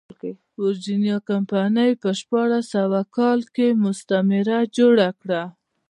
ویرجینیا کمپنۍ په شپاړس سوه اووه کال کې مستعمره جوړه کړه.